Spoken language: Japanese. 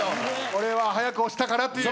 これは早く押したからという。